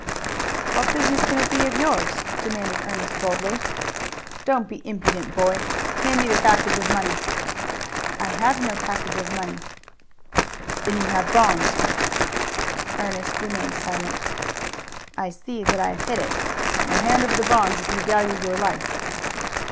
"What business can it be of yours?" demanded Ernest boldly. "Don't be impudent, boy! Hand me the package of money." "I have no package of money." "Then you have bonds." Ernest remained silent. "I see that I have hit it. Now hand over the bonds, if you value your life."